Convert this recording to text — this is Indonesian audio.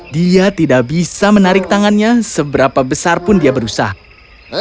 dia tidak bisa menarik tangannya seberapa besar pun dia berusaha